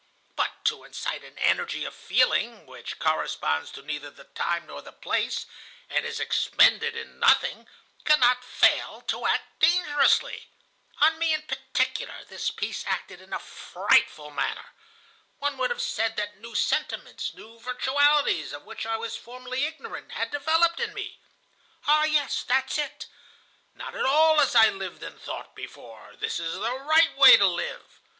But to incite an energy of feeling which corresponds to neither the time nor the place, and is expended in nothing, cannot fail to act dangerously. On me in particular this piece acted in a frightful manner. One would have said that new sentiments, new virtualities, of which I was formerly ignorant, had developed in me. 'Ah, yes, that's it! Not at all as I lived and thought before! This is the right way to live!